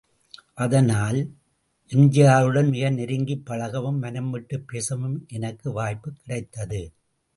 அதனால் எம்.ஜி.ஆருடன் மிக நெருங்கிப் பழகவும் மனம் விட்டுப் பேசவும் எனக்கு வாய்ப்பு கிடைத்தது.